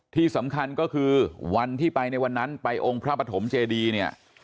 ที่สำคัญก็คือวันที่ไปในวันนั้นไปองค์พระปฐมเจดีเนี่ย